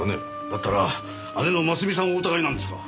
だったら姉のますみさんをお疑いなんですか？